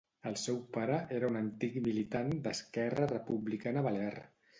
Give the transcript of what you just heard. El seu pare era un antic militant d'Esquerra Republicana Balear.